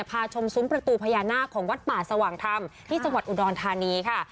พาชมซุ้มประตูพญานาคของวัดป่าสว่างธรรมที่จังหวัดอุดรธานีค่ะ